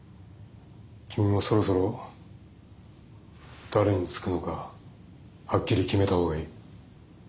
君もそろそろ誰につくのかはっきり決めた方がいい。